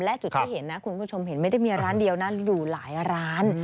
และจุดที่เห็นนะคุณผู้ชมเห็นไม่ได้มีร้านเดียวนะอยู่หลายร้าน